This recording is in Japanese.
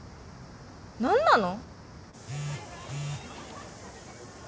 何なの？